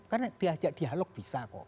karena diajak dialog bisa kok